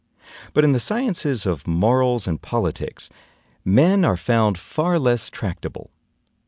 But in the sciences of morals and politics, men are found far less tractable.